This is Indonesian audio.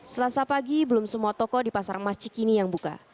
selasa pagi belum semua toko di pasar emas cikini yang buka